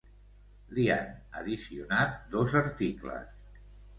Li han addicionat dos articles.